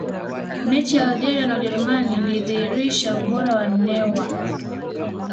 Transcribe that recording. mechi ya algeria na ujerumani ilidhihirisha ubora wa neuer